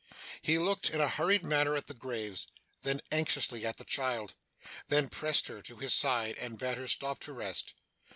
He looked in a hurried manner at the graves, then anxiously at the child, then pressed her to his side, and bade her stop to rest.